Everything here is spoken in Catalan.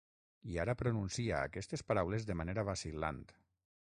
I ara pronuncia aquestes paraules de manera vacil·lant.